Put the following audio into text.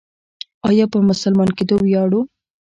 آیا په مسلمان کیدو ویاړو؟